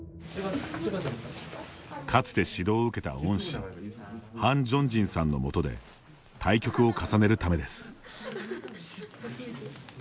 かつて指導を受けた恩師ハン・ジョンジンさんのもとで対局を重ねるためです。